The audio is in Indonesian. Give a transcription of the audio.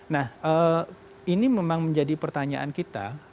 nah ini memang menjadi pertanyaan kita